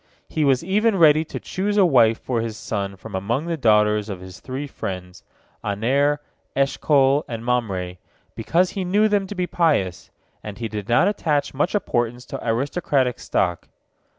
He was even ready to choose a wife for his son from among the daughters of his three friends, Aner, Eshcol, and Mamre, because he knew them to be pious, and he did not attach much importance to aristocratic stock.